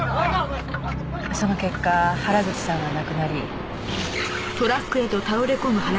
その結果原口さんは亡くなり。